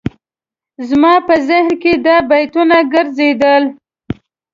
زما په ذهن کې دا بیتونه ګرځېدل.